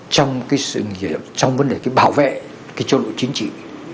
trong cái sự nghiệp trong vấn đề cái bảo vệ cái chỗ độ chính trị